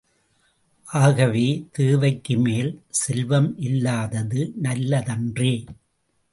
ஆகவே, தேவைக்கு மேல் செல்வம் இல்லாதது நல்லதன்றே!